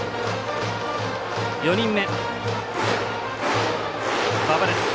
４人目、馬場です。